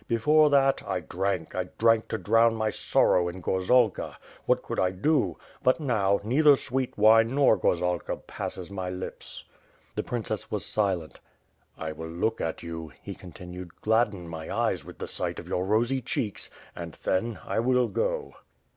Before that, I drank, drank to drown my sorrow in gorzalka. What could I do? But now, neither sweet wine nor gorzalka passes my lips." mfB PIRE AlfD SWOBD. ^^g The princess was silent. "I will look at you;'^ he continued, "gladden my eyes with the sight of your rosy cheeks, and, then, I will go."